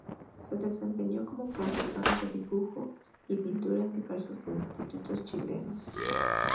Se desempeñó como profesora de dibujo y pintura en diversos institutos chilenos.